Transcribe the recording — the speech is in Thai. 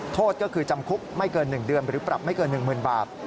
โทษก็คือจำคุกไม่เกิน๑เดือนหรือปรับไม่เกิน๑๐๐๐บาท